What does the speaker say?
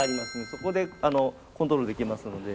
そこでコントロールできますので。